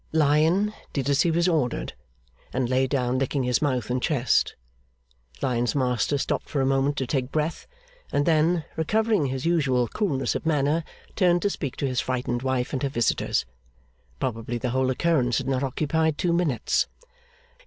Lion did as he was ordered, and lay down licking his mouth and chest. Lion's master stopped for a moment to take breath, and then, recovering his usual coolness of manner, turned to speak to his frightened wife and her visitors. Probably the whole occurrence had not occupied two minutes.